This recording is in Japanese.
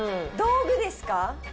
「どうぐ」ですか？